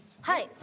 はい。